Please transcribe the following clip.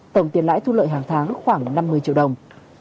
tổng tiền lãi thu lợi hàng tháng khoảng năm mươi triệu đồng